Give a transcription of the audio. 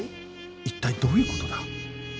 一体どういう事だ？